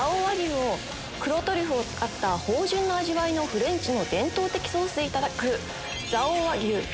黒トリュフを使った芳醇な味わいのフレンチの伝統的ソースでいただく。